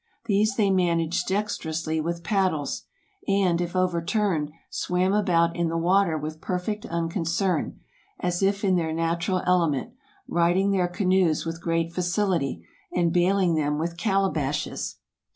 These they managed dextrously with paddles, and, if overturned, swam about in the water with perfect unconcern, as if in their natural ele ment, righting their canoes with great facility, and bailing them with calabashes.